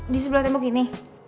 di sebelah tembok ini